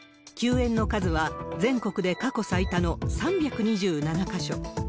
休園の数は全国で過去最多の３２７か所。